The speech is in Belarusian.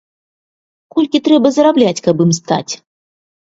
Колькі трэба зарабляць, каб ім стаць?